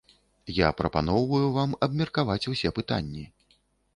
Я прапаноўваю вам абмеркаваць усе пытанні.